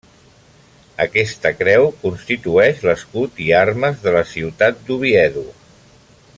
Aquesta creu constitueix l'escut i armes de la ciutat d'Oviedo.